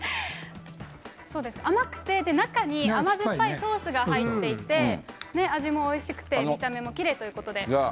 甘くて、中に甘酸っぱいソースが入っていて、味もおいしくて、見た目もきれいということで。